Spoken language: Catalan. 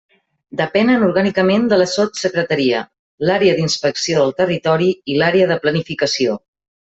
Depenen orgànicament de la Sotssecretaria, l'Àrea d'Inspecció del Territori i l'Àrea de Planificació.